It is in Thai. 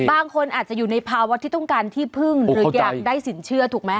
บางคนอาจจะอยู่ในภาวะที่ต้องการที่พึ่งหรืออยากได้สินเชื่อถูกไหม